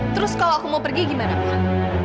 terus kalau aku mau pergi gimana pak